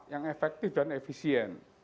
yang efektif dan efisien